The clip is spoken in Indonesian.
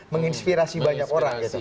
menginspirasi banyak orang